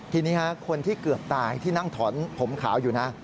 ทีนี้คนที่เกือบตายที่นั่งถอนผมขาวอยู่นะ